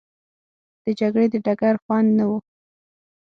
د جګړې د ډګر خوند نه وو.